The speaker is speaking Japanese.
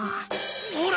ほら！